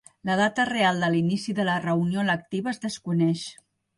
La data real de l'inici de la reunió electiva es desconeix.